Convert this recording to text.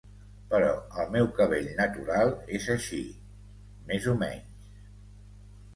Però el meu cabell natural és així... més o menys.